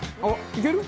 「いける？」